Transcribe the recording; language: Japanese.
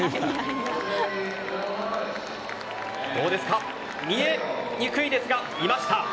どうですか見えにくいですが、いました。